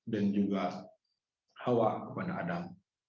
dan juga hawa kepada adam